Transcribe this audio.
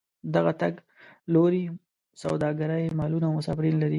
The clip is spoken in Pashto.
دغه تګ لوري سوداګرۍ مالونه او مسافرین لري.